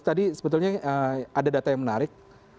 tadi sebetulnya ada data yang menarik